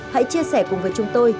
hãy chia sẻ cùng với chúng tôi